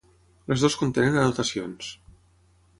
Les dues contenen anotacions.